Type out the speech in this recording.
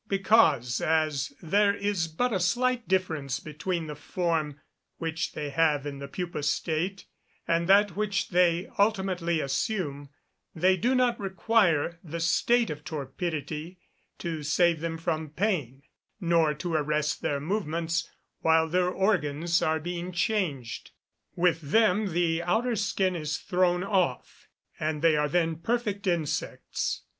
_ Because, as there is but a slight difference between the form which they have in the pupa state, and that which they ultimately assume, they do not require the state of torpidity to save them from pain, nor to arrest their movements while their organs are being changed. With them the outer skin is thrown off, and they are then perfect insects.